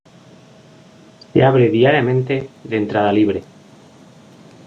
Se abre diariamente de entrada libre.